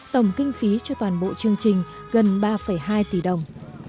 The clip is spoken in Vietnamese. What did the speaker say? tổng kinh phí cho toàn bộ chương trình gần ba hai tỷ đồng